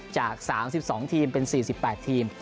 จาก๓๒ทีมเป็น๔๘ทีม